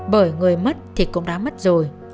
bởi người mất thì cũng đã mất rồi